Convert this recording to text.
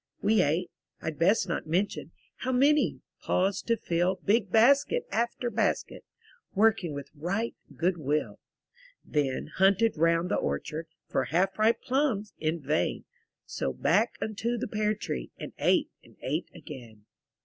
We ate — Fd best not mention How many: paused to fill Big basket after basket; Working with right good will; Then hunted round the orchard For half ripe plums — in vain; So, back unto the pear tree, And ate, and ate again.